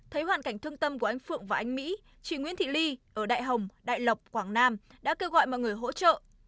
thấy hoàn cảnh thương tâm của anh phượng và anh mỹ chị nguyễn thị ly ở đại hồng đại lộc quảng nam đã kêu gọi mọi người hỗ trợ